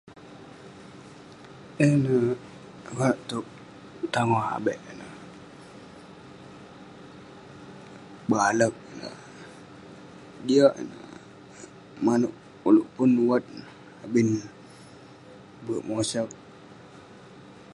Yan neh..konak towk..tangoh abek ineh, balak ineh, jiak ineh..manouk ulouk pun wat neh..abin..berk mosak..